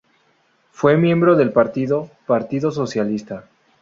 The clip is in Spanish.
Fue miembro del partido Partido Socialista.